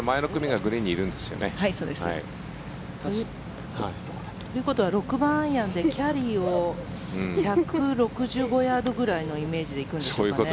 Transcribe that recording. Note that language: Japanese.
はい、そうです。ということは６番アイアンで、キャリーを１６５ヤードくらいのイメージで行くんですかね。